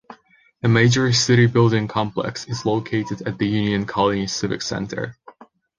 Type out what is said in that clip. A major city building complex is located at the Union Colony Civic Center.